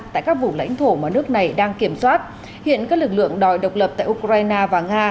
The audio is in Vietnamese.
tại các vùng lãnh thổ mà nước này đang kiểm soát hiện các lực lượng đòi độc lập tại ukraine và nga